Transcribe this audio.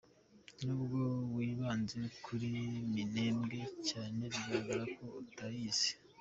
N’ubwo wibanze kuri Minembwe cyane, biragaragara ko utayizi.